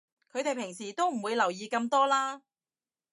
佢哋平時都唔會留意咁多啦